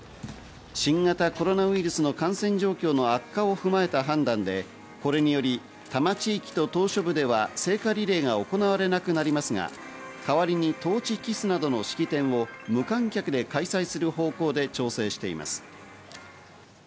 新型コロナウイルスの感染状況の悪化を踏まえた判断でこれにより多摩地域と島しょ部では聖火リレーは行われなくなりますが、かわりにトーチキスなどの式典を無観客で開催する方向で調整しています。